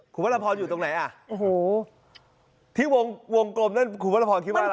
คุณพระราพรอยู่ตรงไหนอ่ะโอ้โหที่วงวงกลมนั่นคุณวรพรคิดว่าอะไร